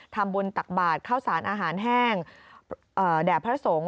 ทำบุญตักบาทเข้าสารอาหารแห้งแด่พระสงฆ์